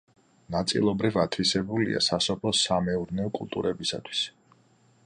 ნაწილობრივ ათვისებულია სასოფლო-სამეურნეო კულტურებისათვის.